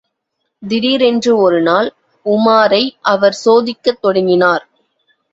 திடீரென்று ஒருநாள், உமாரை அவர் சோதிக்கத் தொடங்கினார்.